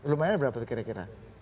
lumayan berapa kira kira